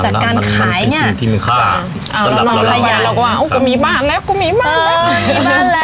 จากการขายเนี้ยมันเป็นสิ่งที่มีค่าสำหรับเราแล้วก็ว่าโอ้โหก็มีบ้านแล้วก็มีบ้านแล้ว